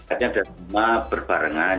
artinya ada cuma berbarengan